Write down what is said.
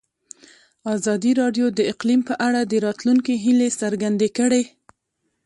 ازادي راډیو د اقلیم په اړه د راتلونکي هیلې څرګندې کړې.